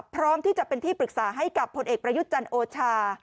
พร้อมที่จะเป็นที่ปรึกษาให้กับผลเอกประยุทธ์จันทร์โอชา